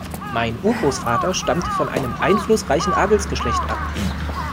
Mein Urgroßvater stammte von einem einflussreichen Adelsgeschlecht ab.